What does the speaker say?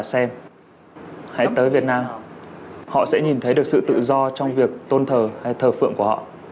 xem hãy tới việt nam họ sẽ nhìn thấy được sự tự do trong việc tôn thờ hay thờ phượng của họ